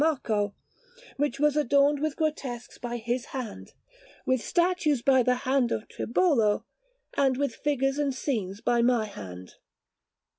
Marco, which was adorned with grotesques by his hand, with statues by the hand of Tribolo, and with figures and scenes by my hand.